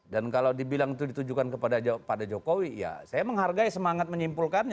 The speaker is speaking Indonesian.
dan kalau dibilang itu ditujukan kepada jokowi ya saya menghargai semangat menyimpulkannya